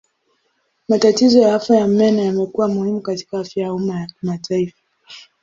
Matatizo ya afya ya meno yamekuwa muhimu katika afya ya umma ya kimataifa.